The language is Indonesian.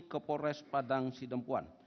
ke polres padang sidempuan